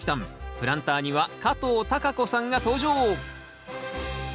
プランターには加藤貴子さんが登場。